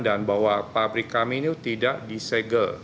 dan bahwa pabrik kami ini tidak disegel